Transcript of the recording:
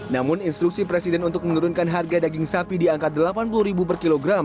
namun instruksi presiden untuk menurunkan harga daging sapi di angka delapan puluh per kilogram